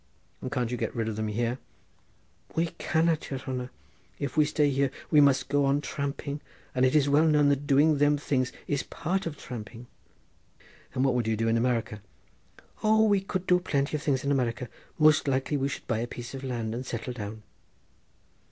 "And can't you get rid of them here?" "We cannot, yere hanner. If we stay here we must go on tramping, and it is well known that doing them things is part of tramping." "And what would you do in America?" "O we could do plenty of things in America—most likely we should buy a piece of land and settle down."